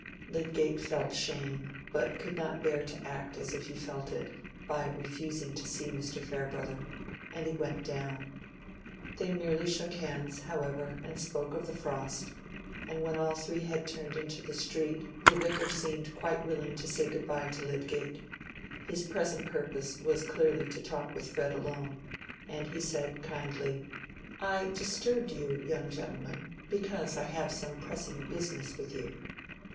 Lydgate felt shame, but could not bear to act as if he felt it, by refusing to see Mr. Farebrother; and he went down. They merely shook hands, however, and spoke of the frost; and when all three had turned into the street, the Vicar seemed quite willing to say good by to Lydgate. His present purpose was clearly to talk with Fred alone, and he said, kindly, "I disturbed you, young gentleman, because I have some pressing business with you.